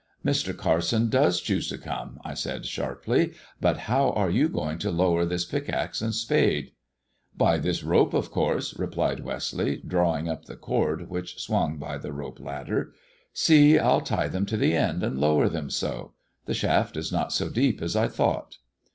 ''" Mr. Carson does choose to come,'' I said sharply ;" but how are you going to lower this pickaxe and spade 1" "By this rope, of course," replied "Westleigh, drawing up the cord which swung by the rope ladder. " See, I'll tie them to the end and lower them so. The shaft is not so deep as I thought."